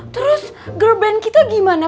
terus girl band kita gimana